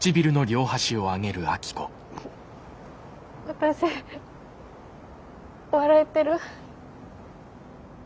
私笑えてる？